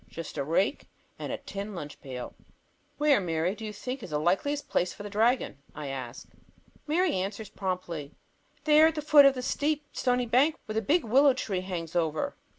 Just a rake and a tin lunch pail. "Where, Mary, do you think is the likeliest place for the dragon?" I ask. Mary answers promptly, "There at the foot of the steep stony bank where the big willow tree hangs over."